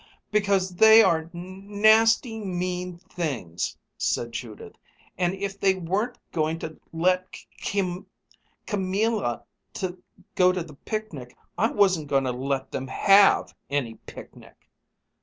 "Because they are n n nasty, mean things," said Judith, "and if they weren't going to let C C Camilla go to the picnic, I wasn't going to let them have any picnic!"